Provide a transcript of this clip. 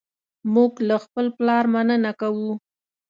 موږ له خپل پلار مننه کوو.